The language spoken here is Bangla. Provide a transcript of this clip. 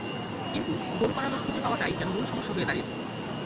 কিন্তু গোল করার লোক খুঁজে পাওয়াটাই যেন মূল সমস্যা হয়ে দাঁড়িয়েছিল।